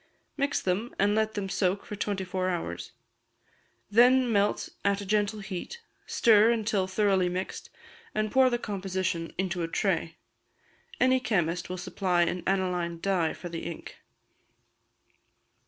Mix them, and let them soak for twenty four hours; then melt at a gentle heat, stir until thoroughly mixed, and pour the composition into a tray. Any chemist will supply an aniline dye for the ink.